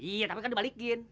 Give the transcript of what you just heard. iya tapi kan dibalikin